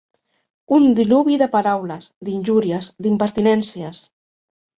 Un diluvi de paraules, d'injúries, d'impertinències.